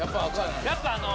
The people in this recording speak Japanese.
やっぱあの。